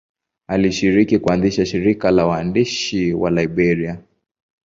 Alishiriki kuanzisha shirika la waandishi wa Liberia.